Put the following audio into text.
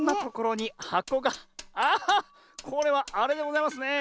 これはあれでございますね。